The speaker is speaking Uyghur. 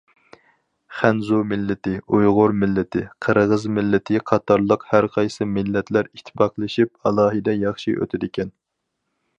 خەنزۇ مىللىتى، ئۇيغۇر مىللىتى، قىرغىز مىللىتى قاتارلىق ھەرقايسى مىللەتلەر ئىتتىپاقلىشىپ، ئالاھىدە ياخشى ئۆتىدىكەن.